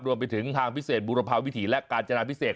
รวมไปถึงทางพิเศษบุรพาวิถีและกาญจนาพิเศษ